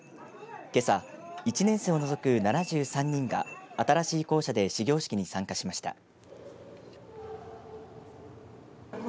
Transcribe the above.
けさ、１年生を除く７３人が新しい校舎で始業式に参加しました。